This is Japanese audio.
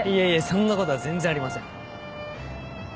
そんなことは全然ありません。